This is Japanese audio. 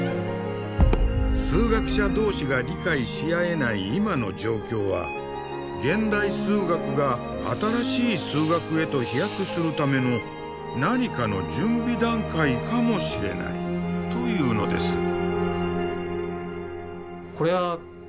数学者同士が理解し合えない今の状況は現代数学が新しい数学へと飛躍するための何かの準備段階かもしれないというのです。